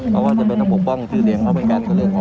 เขาก็จำเป็นจะต้องปกป้องสิทธิ์และชื่อเสียงของเขาเอง